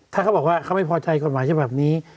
ถ้าเขาบอกว่าเขาไม่พอใจกฎหมายฉบับนี้